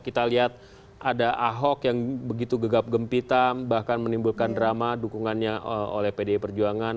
kita lihat ada ahok yang begitu gegap gempita bahkan menimbulkan drama dukungannya oleh pdi perjuangan